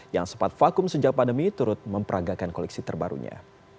yang sempat vakum sejak pandemi turut memperagakan koleksi terbarunya